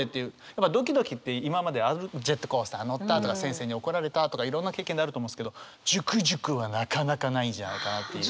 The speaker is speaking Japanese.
やっぱドキドキって今まであるジェットコースター乗ったとか先生に怒られたとかいろんな経験であると思うんですけどジュクジュクはなかなかないんじゃないかなっていう。